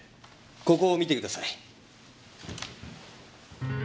ここを見てください。